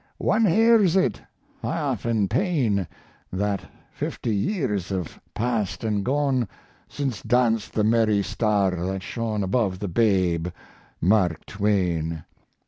One hears it, half in pain, That fifty years have passed and gone Since danced the merry star that shone Above the babe Mark Twain.